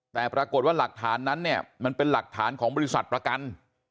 แต่ปรากฏว่าหลักฐานนั้นเนี่ยมันเป็นหลักฐานของบริษัทประกัน